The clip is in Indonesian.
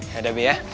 yaudah be ya